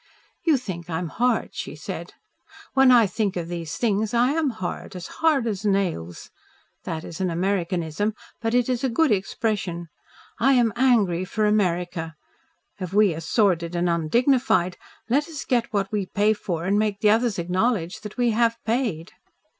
"You think I am hard," she said. "When I think of these things I am hard as hard as nails. That is an Americanism, but it is a good expression. I am angry for America. If we are sordid and undignified, let us get what we pay for and make the others acknowledge that we have paid."